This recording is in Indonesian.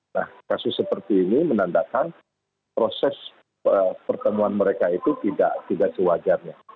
nah kasus seperti ini menandakan proses pertemuan mereka itu tidak sewajarnya